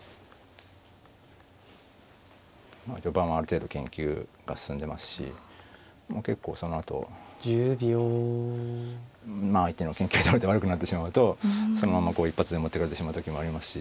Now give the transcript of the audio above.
序盤はある程度研究が進んでますし結構そのあとまあ相手の研究に倒れて悪くなってしまうとそのまま一発で持ってかれてしまう時もありますし。